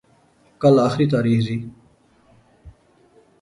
کل آھری تاریخ ذی